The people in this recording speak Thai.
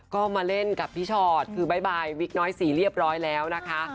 ก็มาเล่นกับพี่ชอตคือบ๊ายบายวิกน้อยสีเรียบร้อยแล้วนะคะ